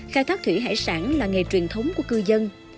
khai thác thủy hải sản là nghề truyền thống của cư dân